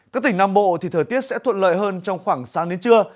các tỉnh nam bộ thì thời tiết sẽ thuận lợi hơn trong khoảng sáng đến trưa